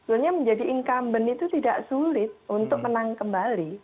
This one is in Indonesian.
sebetulnya menjadi incumbent itu tidak sulit untuk menang kembali